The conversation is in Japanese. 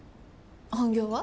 本業は？